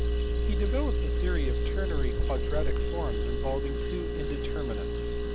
He developed the theory of ternary quadratic forms involving two indeterminates.